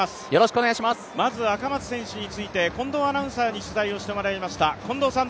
まず赤松選手について、近藤アナウンサーに取材をしてもらいました。